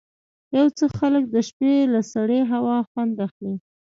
یو څه خلک د شپې له سړې هوا خوند اخلي.